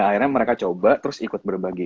akhirnya mereka coba terus ikut berbagi